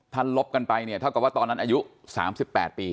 ถ้าลบกันไปเนี่ยเท่ากับว่าตอนนั้นอายุ๓๘ปี